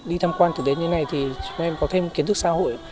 đi tham quan thực tế như này thì chúng em có thêm kiến thức xã hội